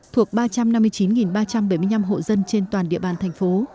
thuộc ba trăm năm mươi chín ba trăm bảy mươi năm hộ dân trên toàn địa bàn thành phố